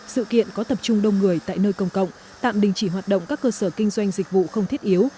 sự kiện có tập trung đông người tại nơi công cộng tạm đình chỉ hoạt động các cơ sở kinh doanh dịch vụ không thiết yếu